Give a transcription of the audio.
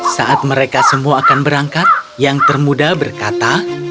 saat mereka semua akan berangkat yang termuda berkata